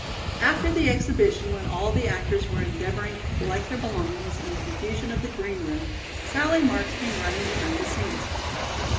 After the exhibition, when all the actors were endeavoring to collect their belongings in the confusion of the green room, Sallie Marks came running behind the scenes.